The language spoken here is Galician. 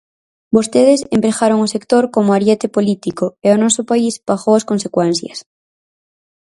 Vostedes empregaron o sector como ariete político, e o noso país pagou as consecuencias.